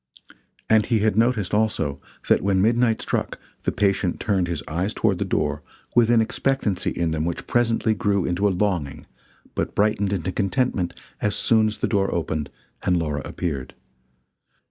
And, he had noticed, also, that when midnight struck, the patient turned his eyes toward the door, with an expectancy in them which presently grew into a longing but brightened into contentment as soon as the door opened and Laura appeared.